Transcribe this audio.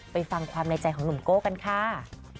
ไปฟังความในใจของหนุ่มโก้กันค่ะ